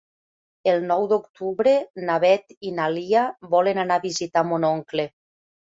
El nou d'octubre na Beth i na Lia volen anar a visitar mon oncle.